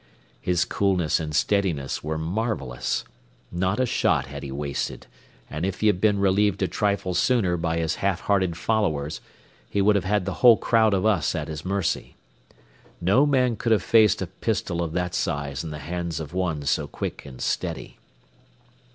His coolness and steadiness were marvellous. Not a shot had he wasted, and if he had been relieved a trifle sooner by his half hearted followers, he would have had the whole crowd of us at his mercy. No man could have faced a pistol of that size in the hands of one so quick and steady.